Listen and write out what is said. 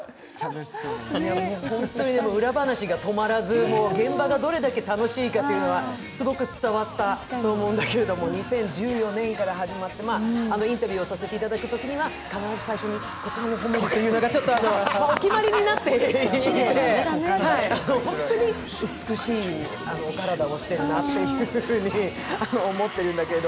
本当に裏話が止まらず、現場がどれだけ楽しいかがすごく伝わったと思うんだけど、２０１４年から始まって、インタビューをさせていただくときには、必ず最初に股間を褒めるというのがちょっとお決まりになっていて、ホントに美しいお体をしてるなと思ってるんだけど。